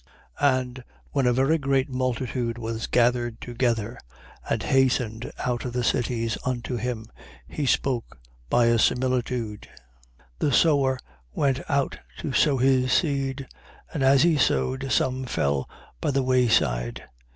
8:4. And when a very great multitude was gathered together and hastened out of the cities, unto him, he spoke by a similitude. 8:5. The sower went out to sow his seed. And as he sowed, some fell by the way side.